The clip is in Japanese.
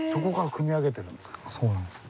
そうなんです。